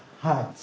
はい。